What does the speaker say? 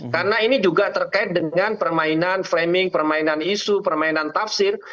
karena ini juga terkait dengan permainan framing permainan isu permainan tafsir